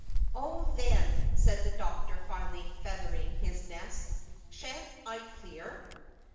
"Oh, then," said the Doctor, finally feathering his nest, "Sha'n't I clear?!"